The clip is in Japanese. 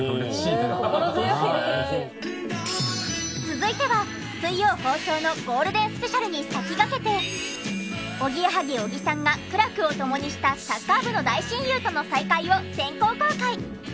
続いては水曜放送のゴールデンスペシャルに先駆けておぎやはぎ小木さんが苦楽を共にしたサッカー部の大親友との再会を先行公開！